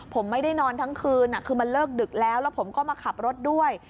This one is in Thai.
ผมไม่ได้นอนทั้งคืนคือมันเลิกดึกแล้วแล้วผมก็มาขับรถด้วย